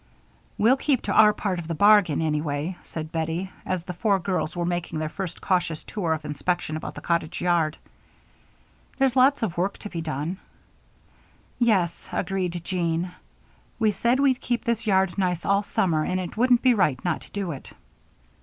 "We'll keep to our part of the bargain, anyway," said Bettie, as the four girls were making their first cautious tour of inspection about the cottage yard. "There's lots of work to be done." "Yes," agreed Jean. "We said we'd keep this yard nice all summer, and it wouldn't be right not to do it."